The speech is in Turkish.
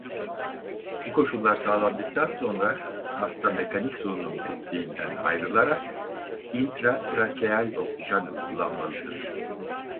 Bu koşullar sağlandıktan sonra hasta mekanik solunum desteğinden ayrılarak intratrakeal oksijen uygulanmalıdır.